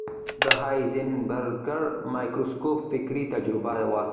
د هایزنبرګر مایکروسکوپ فکري تجربه وه.